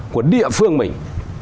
của địa phương mình